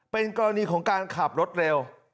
เป็นกรณีของการขับรถเร็ว